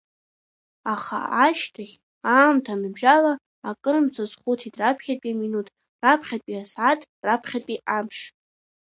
Аха ашьҭахь, аамҭа аныбжьала акырынтә сазхәыцит раԥхьатәи аминуҭ, раԥхьатәи асааҭ, раԥхьатәи амш…